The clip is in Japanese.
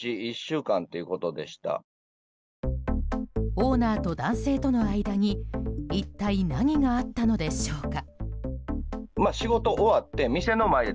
オーナーと男性との間に一体、何があったのでしょうか。